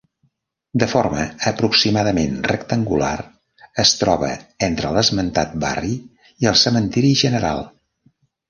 De forma aproximadament rectangular, es troba entre l'esmentat barri i el Cementeri General.